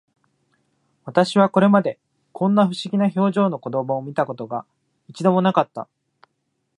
私はこれまで、こんな不思議な表情の子供を見た事が、一度も無かった